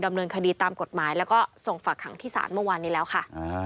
ดำเนินคดีตามกฎหมายแล้วก็ส่งฝากขังที่ศาลเมื่อวานนี้แล้วค่ะ